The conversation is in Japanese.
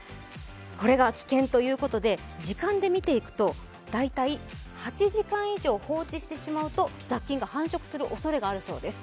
これが危険ということで、時間で見ていくと大体８時間以上放置してしまうと雑菌が繁殖するおそれがあるそうです。